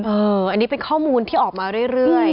อันนี้เป็นข้อมูลที่ออกมาเรื่อย